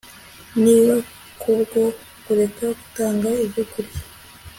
Niba kubwo kureka gutanga ibyokurya